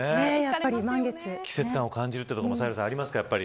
季節感を感じるというのもサヘルさんありますか。